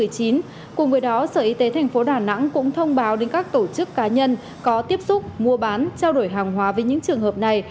cùng với đó sở y tế thành phố đà nẵng cũng thông báo đến các tổ chức cá nhân có tiếp xúc mua bán trao đổi hàng hóa với những trường hợp này